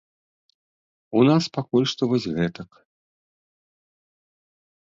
У нас пакуль што вось гэтак.